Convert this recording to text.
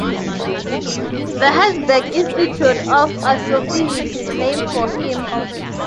The Herzberg Institute of Astrophysics is named for him.